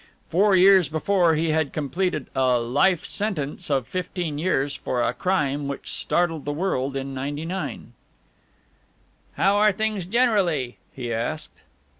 Four years before he had completed a "life sentence" of fifteen years for a crime which had startled the world in '99. "How are things generally?" he asked.